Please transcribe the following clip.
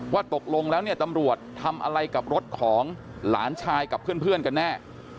ว่าตกลงแล้วเนี่ยตำรวจทำอะไรกับรถของหลานชายกับเพื่อนกันแน่